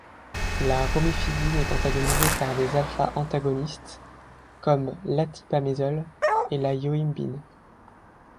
La romifidine est antagonisée par des α-antagonistes, comme l'atipamézole et la yohimbine.